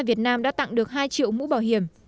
việt nam đã tặng được hai triệu mũ bảo hiểm